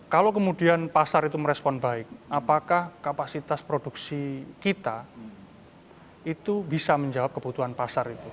kalau kemudian pasar itu merespon baik apakah kapasitas produksi kita itu bisa menjawab kebutuhan pasar itu